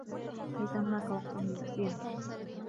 ليس هناك وقت للأسئلة.